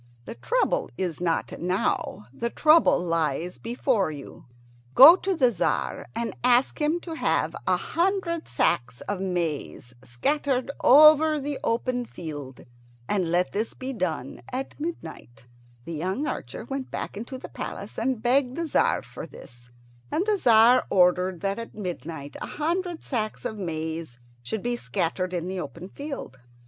The trouble is not now; the trouble lies before you. Go to the Tzar and ask him to have a hundred sacks of maize scattered over the open field, and let this be done at midnight." The young archer went back into the palace and begged the Tzar for this, and the Tzar ordered that at midnight a hundred sacks of maize should be scattered in the open field.